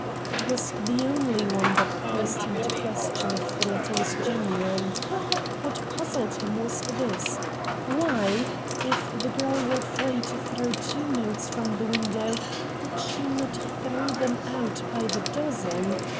It was the only one that caused him to question if the letter was genuine. What puzzled him was this: Why, if the girl were free to throw two notes from the window, did she not throw them out by the dozen?